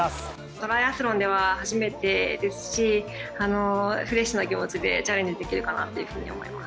トライアスロンでは初めてですし、フレッシュな気持ちでチャレンジできるかなというふうに思います。